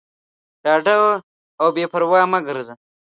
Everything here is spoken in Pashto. ډاډه او بېپروا مه ګرځه.